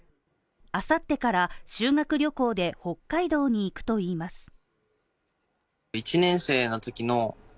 明後日から修学旅行で北海道に行くといいます